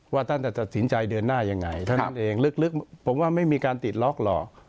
ท่านจะตัดสินใจเดินหน้ายังไงเท่านั้นเองลึกผมว่าไม่มีการติดล็อกหรอก